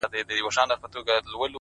وخت د ارادې ملګری نه انتظار